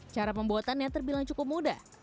cara pembuatannya terbilang cukup mudah